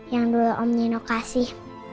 yang dulu om neno kasih